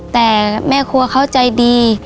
แต่แม่ครัวเขาใจดี